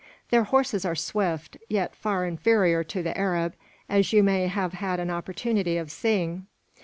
Their horses are swift, yet far inferior to the Arab, as you may have an opportunity of seeing.